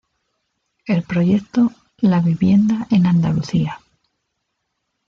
El proyecto "La vivienda en Andalucía.